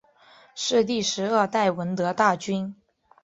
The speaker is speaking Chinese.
是第十二代闻得大君。